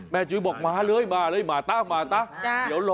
แม่จุ๊บอกมาเลยมาเร็ว